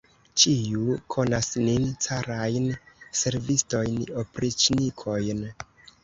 Ĉiu konas nin, carajn servistojn, opriĉnikojn!